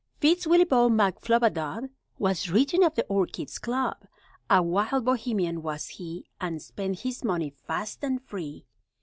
Fitz Willieboy McFlubadub Was Regent of the Orchids' Club; A wild Bohemian was he, And spent his money fast and free.